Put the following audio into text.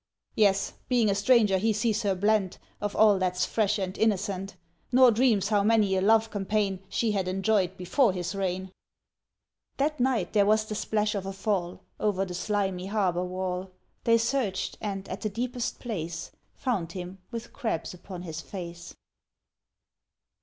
"Yes, being a stranger he sees her blent Of all that's fresh and innocent, Nor dreams how many a love campaign She had enjoyed before his reign!" That night there was the splash of a fall Over the slimy harbour wall: They searched, and at the deepest place Found him with crabs upon his face.